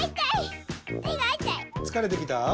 つかれてきた？